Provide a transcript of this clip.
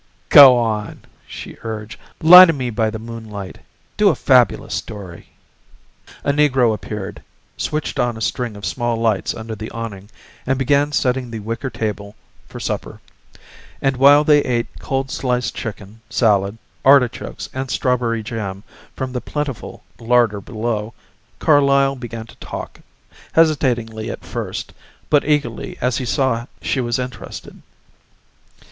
"Go on," she urged. "Lie to me by the moonlight. Do a fabulous story." A negro appeared, switched on a string of small lights under the awning, and began setting the wicker table for supper. And while they ate cold sliced chicken, salad, artichokes and strawberry jam from the plentiful larder below, Carlyle began to talk, hesitatingly at first, but eagerly as he saw she was interested.